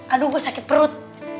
aduh gue sakit perut